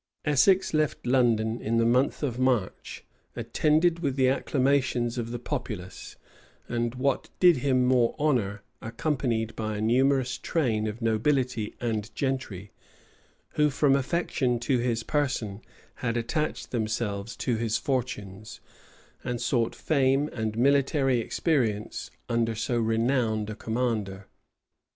Essex left London in the month of March, attended with the acclamations of the populace; and, what did him more honor, accompanied by a numerous train of nobility and gentry, who, from affection to his person, had attached themselves to his fortunes, and sought fame and military experience under so renowned a commander.